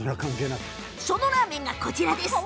そのラーメンがこちらです。